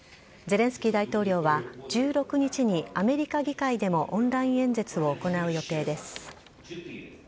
ゼレンスキー大統領は１６日にアメリカ議会でもオンライン演説を行う予定です。